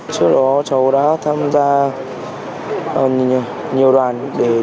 trước đó cháu đã tham gia nhiều đoàn